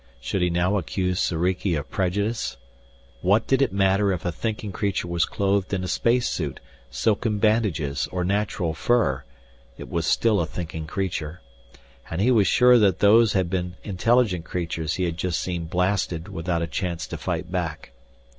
Should he now accuse Soriki of prejudice? What did it matter if a thinking creature was clothed in a space suit, silken bandages, or natural fur it was still a thinking creature. And he was sure that those had been intelligent creatures he had just seen blasted without a chance to fight back.